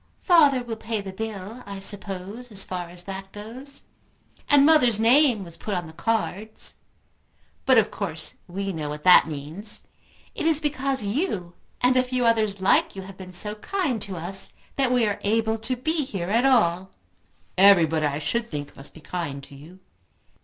"Father will pay the bill, I suppose, as far as that goes. And mother's name was put on the cards. But of course we know what that means. It is because you and a few others like you have been so kind to us, that we are able to be here at all." "Everybody, I should think, must be kind to you."